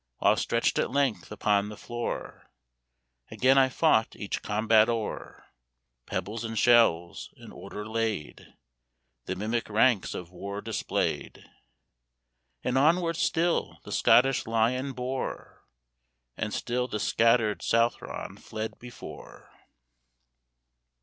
While stretched at length upon the floor, Again I fought each combat o'er. Pebbles and shells, in order laid, The mimic ranks of war displayed; And onward still the Scottish Lion bore, And still the scattered Southron fled before."